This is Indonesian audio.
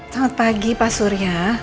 selamat pagi pak surya